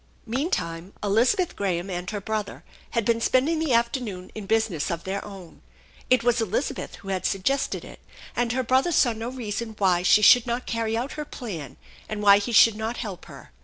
Meantime Elizabeth Graham and her brother had been spending the afternoon in business of their own. It was Elizabeth who had suggested it, and her brother saw no reason why she should not carry out her plan and why he should not help her.